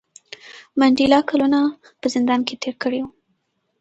منډېلا کلونه په زندان کې تېر کړي وو.